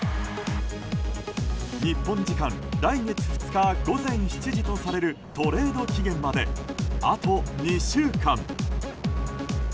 日本時間来月２日午前７時とされるトレード期限まであと２週間。